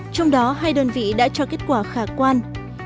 trong đó hai đơn vị đã cho kết quả khả quan